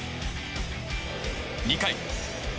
２回。